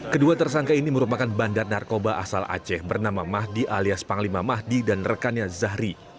kedua tersangka ini merupakan bandar narkoba asal aceh bernama mahdi alias panglima mahdi dan rekannya zahri